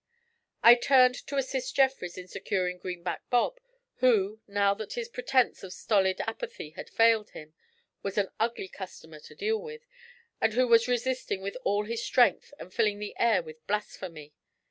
I turned to assist Jeffrys in securing Greenback Bob, who, now that his pretence of stolid apathy had failed him, was an ugly customer to deal with, and who was resisting with all his strength and filling the air with blasphemy.